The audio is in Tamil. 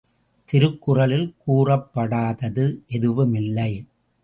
திருக்குறளில் கூறப்படாதது எதுவும் இல்லை.